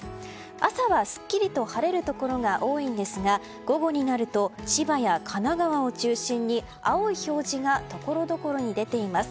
朝はすっきりと晴れるところが多いんですが午後になると千葉や神奈川を中心に青い表示がところどころに出ています。